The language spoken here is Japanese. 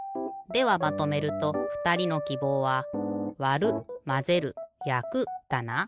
ではまとめるとふたりのきぼうは「わる」「まぜる」「やく」だな？